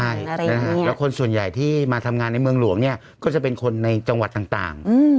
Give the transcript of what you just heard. ใช่นะฮะแล้วคนส่วนใหญ่ที่มาทำงานในเมืองหลวงเนี่ยก็จะเป็นคนในจังหวัดต่าง